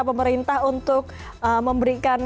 pemerintah untuk memberikan